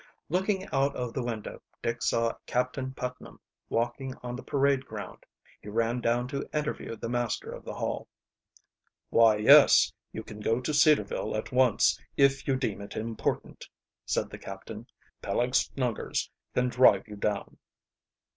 Looking out of the window Dick saw Captain Putnam walking on the parade ground. He ran down to interview the master of the Hall. "Why, yes, you can go to Cedarville at once, if you deem it important," said the captain. "Peleg Snuggers can drive you down."